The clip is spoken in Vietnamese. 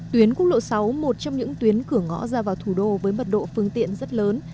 tuyến quốc lộ sáu một trong những tuyến cửa ngõ ra vào thủ đô với mật độ phương tiện rất lớn